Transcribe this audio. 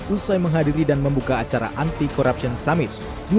usai menghadiri dan membuka acara anti corruption summit dua ribu dua puluh